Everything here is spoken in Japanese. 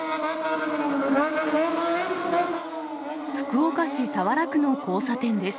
福岡市早良区の交差点です。